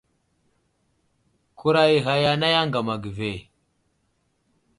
Kurag i ghag anay aŋgam age ve.